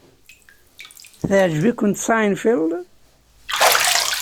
Teɛjeb-ikent Seinfeld?